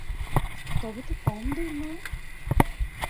তবে তো কম দূর নয়!